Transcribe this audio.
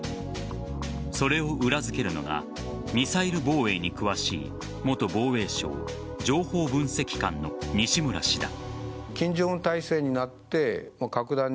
それを裏付けるのがミサイル防衛に詳しい元防衛省・情報分析官の西村氏だ。